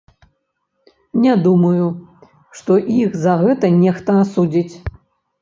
Не думаю, што іх за гэта нехта асудзіць.